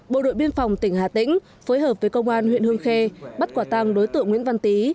bộ đội biên phòng tỉnh hà tĩnh phối hợp với công an huyện hương khê bắt quả tăng đối tượng nguyễn văn tý